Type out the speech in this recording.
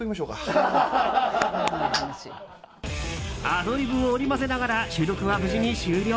アドリブを織り交ぜながら収録は無事に終了。